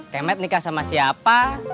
teman nikah sama siapa